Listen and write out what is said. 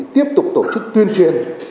tiếp tục tổ chức tuyên truyền